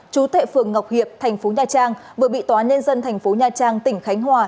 chú thệ phường ngọc hiệp tp nha trang vừa bị tòa nhân dân tp nha trang tỉnh khánh hòa